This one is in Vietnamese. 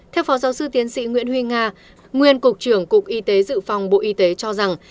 theo phó giáo sư tiến sĩ nguyễn huy nga nguyên cục trưởng cục y tế dự phòng bộ y tế cho rằng